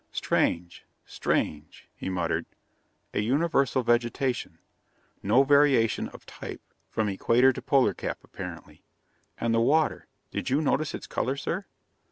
"Strange ... strange ..." he muttered. "A universal vegetation ... no variation of type from equator to polar cap, apparently. And the water did you notice its color, sir?"